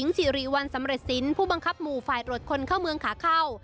ตอนสิบตำรวจรีหญิงสิริวันสำเร็จสิ้นผู้บังคับหมู่ฝ่ายรถคนเข้าเมืองขาเข้า